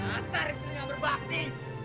asar yang berbakti